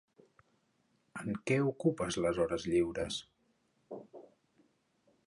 En què ocupes les hores lliures?